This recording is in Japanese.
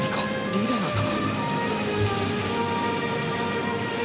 リレナ様？